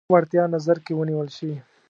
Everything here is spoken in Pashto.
کوم وړتیا نظر کې ونیول شي.